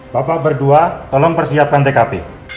bapak berdua tolong persiapkan tkp